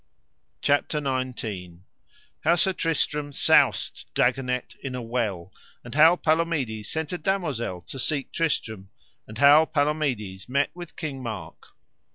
CHAPTER XVIII. How Sir Tristram soused Dagonet in a well, and how Palomides sent a damosel to seek Tristram, and how Palomides met with King Mark.